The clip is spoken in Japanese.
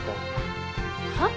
はっ？